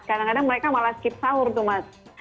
kadang kadang mereka malah skip sahur tuh mas